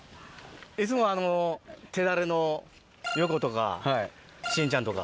いつもあの手だれの横とか慎ちゃんとか。